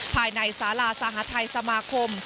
ภายในสาราสหทัยสมาคม